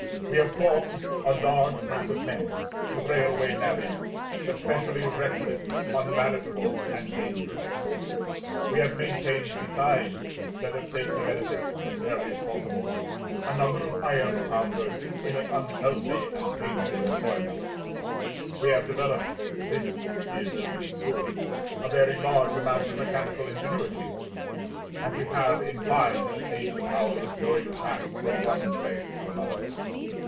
We have formed a large class of men, the railway navvies, especially reckless, unmanageable, and dangerous. We have maintained besides (let us state the benefits as fairly as possible) a number of iron founders in an unhealthy and painful employment; we have developed (this is at least good) a very large amount of mechanical ingenuity; and we have, in fine, attained the power of going fast from one place to another.